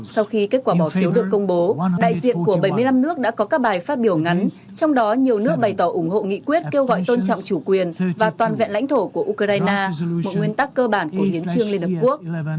sau khi kết quả bỏ phiếu được công bố đại diện của bảy mươi năm nước đã có các bài phát biểu ngắn trong đó nhiều nước bày tỏ ủng hộ nghị quyết kêu gọi tôn trọng chủ quyền và toàn vẹn lãnh thổ của ukraine một nguyên tắc cơ bản của hiến trương liên hợp quốc